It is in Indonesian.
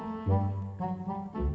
aku kaya ga pernah dengor